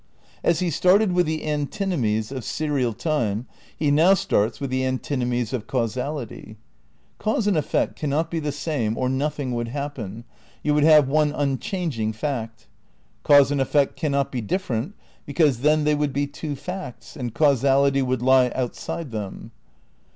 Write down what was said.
As he started with the antinomies of serial time, he now starts with the antinomies of causality. Cause and effect cannot be the same or nothing would hap pen, you would have one unchanging fact. Cause and effect cannot be different because then they would be two facts, and causality would lie outside them.